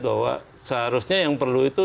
bahwa seharusnya yang perlu itu